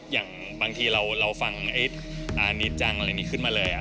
อย่างบางทีเราฟังนิดจังอะไรนี้ขึ้นมาเลย